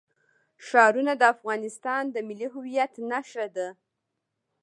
ښارونه د افغانستان د ملي هویت نښه ده.